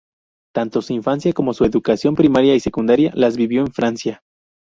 Tanto su infancia, como su educación primaria y secundaria las vivió en Francia.